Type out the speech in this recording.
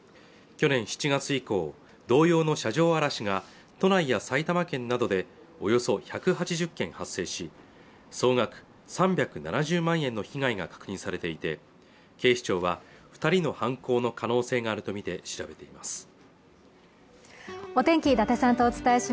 去年７月以降同様の車上荒らしが都内や埼玉県などでおよそ１８０件発生し総額３７０万円の被害が確認されていて警視庁は二人の犯行の可能性があるとみて調べています